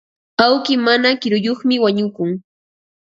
Awki mana kiruyuqmi wañukun.